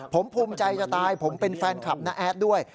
ผมภูมิใจจะตายผมเป็นแฟนคลับน้าแอดด้วย